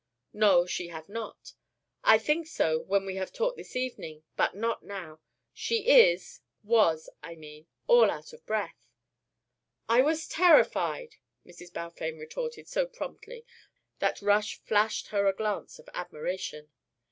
"No, she have not. I think so when we have talked this evening, but not now. She is was, I mean, all out of her breath." "I was terrified." Mrs. Balfame retorted so promptly that Rush flashed her a glance of admiration.